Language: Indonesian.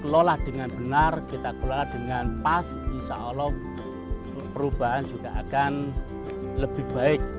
kelola dengan benar kita kelola dengan pas insya allah perubahan juga akan lebih baik